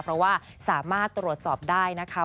เพราะว่าสามารถตรวจสอบได้นะคะ